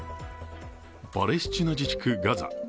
パレスチナ自治区ガザ。